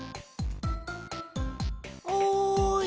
おい！